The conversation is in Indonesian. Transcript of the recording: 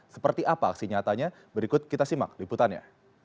seperti apa aksi nyatanya berikut kita simak liputannya